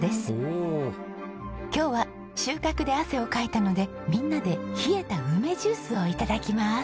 今日は収穫で汗をかいたのでみんなで冷えた梅ジュースを頂きます。